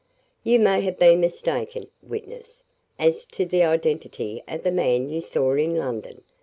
"You may have been mistaken, witness, as to the identity of the man you saw in London.